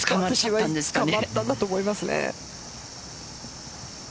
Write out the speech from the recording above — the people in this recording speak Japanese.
つかまったんだと思います。